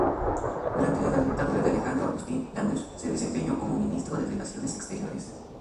Durante la dictadura de Alejandro Agustín Lanusse se desempeñó como Ministro de Relaciones Exteriores.